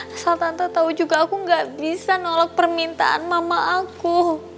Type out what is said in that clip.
asal tante tahu juga aku gak bisa nolak permintaan mama aku